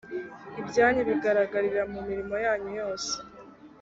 byanyu bigaragarira mu mirimo yanyu yose